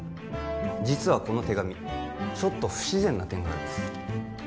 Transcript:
実はこの手紙ちょっと不自然な点があるんです